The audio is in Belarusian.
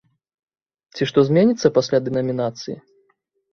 Ці што зменіцца пасля дэнамінацыі?